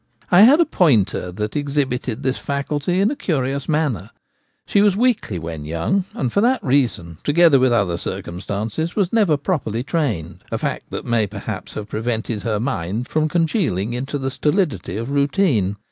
I had a pointer that exhibited this faculty in a curious manner. She was weakly when young, and for that reason, together with other circumstances, was never properly trained : a fact that may perhaps have prevented her ' mind ' from congealing into the stolidity of routine.